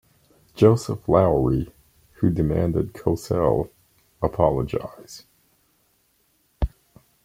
Joseph Lowery, who demanded Cosell apologize.